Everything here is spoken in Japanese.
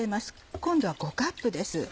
今度は５カップです。